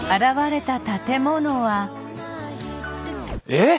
えっ！